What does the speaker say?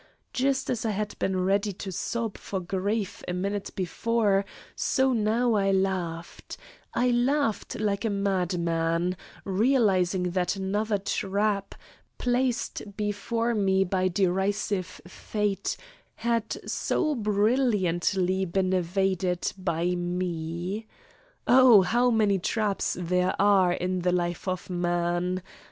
Just as I had been ready to sob for grief a minute before, so now I laughed I laughed like a madman, realising that another trap, placed before me by derisive fate, had so brilliantly been evaded by me. Oh, how many traps there are in the life of man!